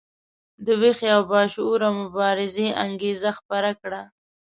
د ویښې او باشعوره مبارزې انګیزه خپره کړه.